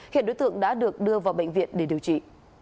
hiện đối tượng đã được đưa vào bệnh viện để điều trị